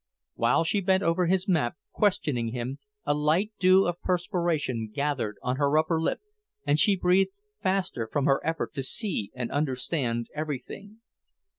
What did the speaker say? While she bent over his map, questioning him, a light dew of perspiration gathered on her upper lip, and she breathed faster from her effort to see and understand everything.